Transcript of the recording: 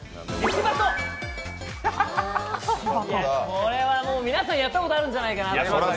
これは、皆さんやったことあるんじゃないかなと。